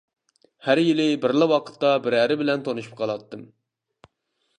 ھەر يىلى بىرلا ۋاقىتتا بىرەرى بىلەن تونۇشۇپ قالاتتىم.